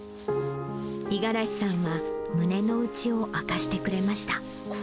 五十嵐さんは胸の内を明かしてくれました。